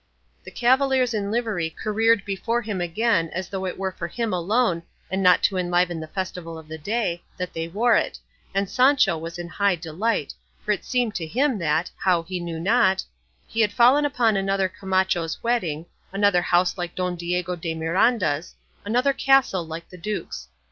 The cavaliers in livery careered before him again as though it were for him alone, and not to enliven the festival of the day, that they wore it, and Sancho was in high delight, for it seemed to him that, how he knew not, he had fallen upon another Camacho's wedding, another house like Don Diego de Miranda's, another castle like the duke's.